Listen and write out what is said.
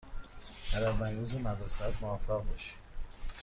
در اولین روز مدرسه ات موفق باشی.